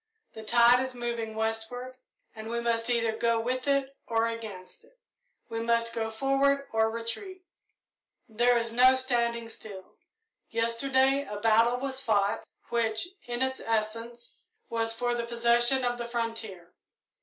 The tide is moving westward, and we must either go with it or against it. We must go forward or retreat, there is no standing still. Yesterday a battle was fought, which, in its essence, was for the possession of the frontier.